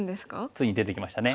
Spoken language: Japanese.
ついに出てきましたね。